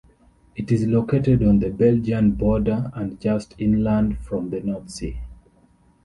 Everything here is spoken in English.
It is located on the Belgian border, and just inland from the North Sea.